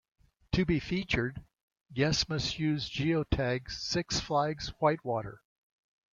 To be featured, guests must use geotag Six Flags White Water.